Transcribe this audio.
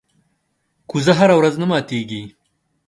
کوزه هره ورځ نه ماتېږي.